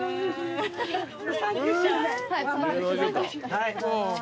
はい。